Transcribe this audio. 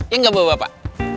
ya gak bapak